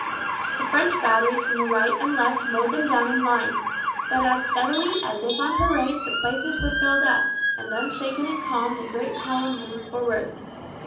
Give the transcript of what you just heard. The French batteries from the right and left mowed them down in lines, but as steadily as if on parade the places were filled up, and unshaken and calm the great column moved forward.